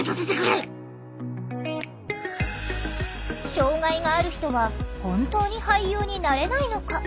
障害がある人は本当に俳優になれないのか？